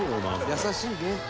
優しいね。